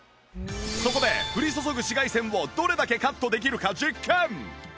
そこで降り注ぐ紫外線をどれだけカットできるか実験